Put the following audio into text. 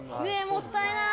もったいない。